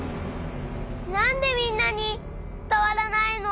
なんでみんなにつたわらないの！？